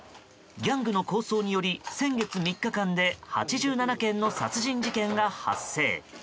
ギャングの抗争により先月３日間で８７件の殺人事件が発生。